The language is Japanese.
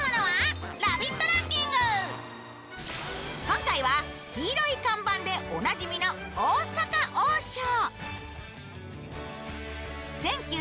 今回は黄色い看板でおなじみの大阪王将。